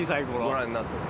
ご覧になってた？